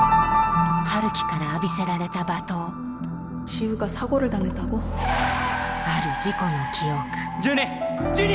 陽樹から浴びせられた罵倒ある事故の記憶ジュニ！